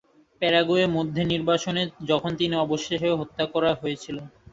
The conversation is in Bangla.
প্যারাগুয়ে মধ্যে নির্বাসনে যখন তিনি অবশেষে হত্যা করা হয়েছিল।